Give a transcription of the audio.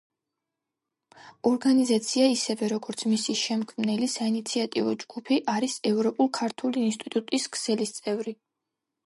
ორგანიზაცია, ისევე როგორც მისი შემქმნელი საინიციატივო ჯგუფი არის „ევროპულ-ქართული ინსტიტუტის“ ქსელის წევრი.